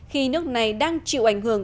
khi nước này đang chịu ảnh hưởng